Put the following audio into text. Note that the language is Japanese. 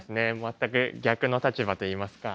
全く逆の立場といいますか。